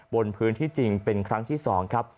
บนพื้นที่จริงเป็นครั้งที่๒ครับ